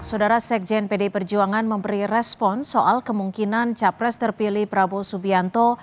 saudara sekjen pdi perjuangan memberi respon soal kemungkinan capres terpilih prabowo subianto